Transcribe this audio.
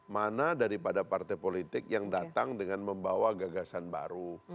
mana daripada partai politik yang datang dengan membawa gagasan baru